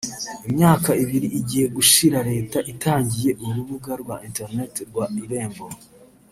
Imyaka ibiri igiye gushira Leta itangije urubuga rwa internet rwa Irembo (www